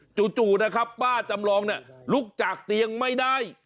จู่นะครับป้าจำลองเนี่ยลุกจากเตียงไม่ได้